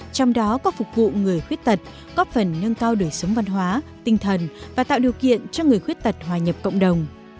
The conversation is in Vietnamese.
trong đó có phục vụ người khuyết tật góp phần nâng cao đời sống văn hóa tinh thần và tạo điều kiện cho người khuyết tật hòa nhập cộng đồng